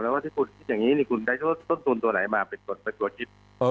คิดว่าที่คุณคิดอย่างนี้ผู้ใช้ต้นตูนตัวไหนมาเป็นคนก็ควรอิสต์